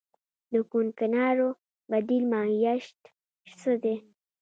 د کوکنارو بدیل معیشت څه دی؟